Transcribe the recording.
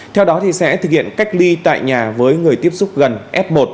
theo đó sẽ thực hiện cách ly tại nhà với người tiếp xúc gần f một